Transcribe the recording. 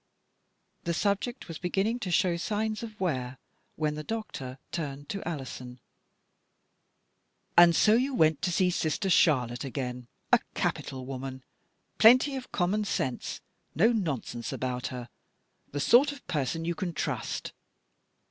The subject was beginning to DUNLOP STRANGE MAKES A MISTAKE, 249 show signs of wear when the doctor turned to Alison :" And so you went to see Sister Charlotte again? A capital woman. Plenty of com mon sense — no nonsense about her. The sort of person you can trust."